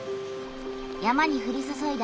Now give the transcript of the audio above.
山にふりそそいだ